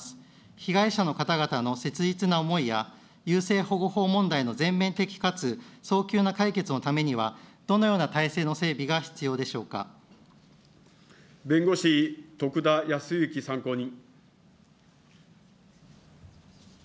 被害者の方々の切実な思いや、優生保護法問題の全面的かつ早急な解決のためにはどのような体制弁護士、徳田靖之参考人。